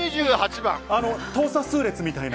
等差数列みたいな。